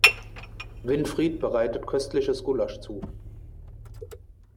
Winfried bereitet köstliches Gulasch zu.